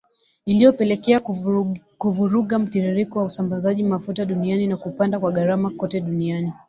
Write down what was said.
Iliyopelekea kuvuruga mtiririko wa usambazaji mafuta duniani na kupanda kwa gharama kote duniani.